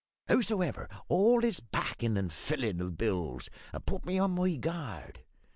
"Hows'ever, all this backin' and fillin' of Bill's had put me on my guard.